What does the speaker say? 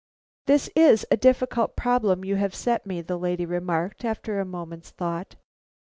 "This is a difficult problem you have set me," that lady remarked after a moment's thought.